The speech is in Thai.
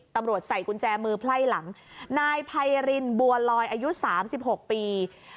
ใส่กุญแจมือไพ่หลังนายไพรินบัวลอยอายุ๓๖ปี